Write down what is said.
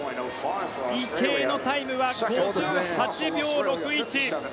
池江のタイムは５８秒６１。